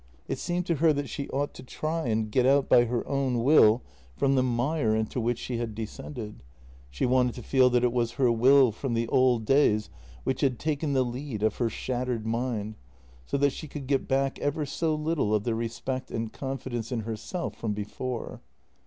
It seemed to her that she ought to try and get out by her own will from the mire into which she had descended; she wanted to feel that it was her will from the old days which had taken the lead of her shattered mind, so that she could get back ever so little of the respect and confidence in herself from before.